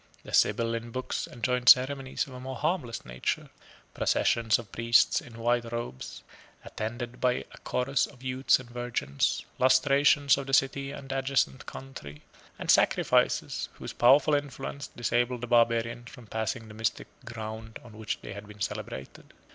The Sibylline books enjoined ceremonies of a more harmless nature, processions of priests in white robes, attended by a chorus of youths and virgins; lustrations of the city and adjacent country; and sacrifices, whose powerful influence disabled the barbarians from passing the mystic ground on which they had been celebrated.